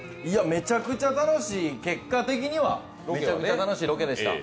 めちゃくちゃ楽しい、結果的にはめちゃくちゃ楽しいロケでした。